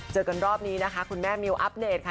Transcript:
เจอกันรอบนี้นะคะคุณแม่มิวอัปเดตค่ะ